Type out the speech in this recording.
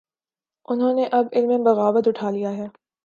انہوں نے اب علم بغاوت اٹھا لیا ہے۔